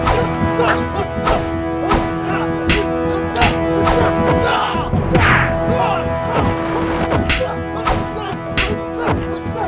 sebuah pinjakan akan menjadi udara yang multiprisma